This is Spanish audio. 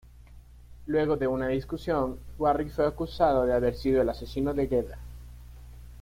Luego de una discusión, Warrick fue acusado de haber sido el asesino de Gedda.